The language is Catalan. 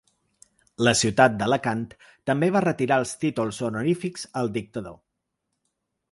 La ciutat d’Alacant també va retirar els títols honorífics al dictador.